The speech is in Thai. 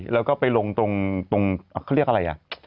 แล้วก็ไปลงตรงเขาเรียกอะไรอ่ะ